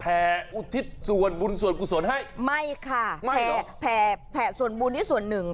่อุทิศส่วนบุญส่วนกุศลให้ไม่ค่ะแผ่ส่วนบุญนี้ส่วนหนึ่ง